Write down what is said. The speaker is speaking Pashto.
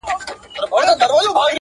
ډوډۍ یې راباندې وخوړه